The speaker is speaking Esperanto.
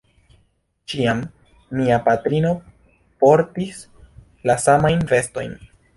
Ĉiam mia patrino portis la samajn vestojn.